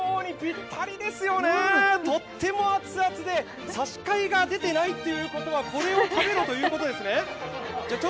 とっても熱々で差し替えが出ていないということはこれを食べろということですね。